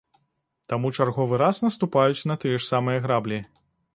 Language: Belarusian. Таму чарговы раз наступаюць на тыя ж самыя граблі.